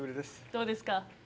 どうですか？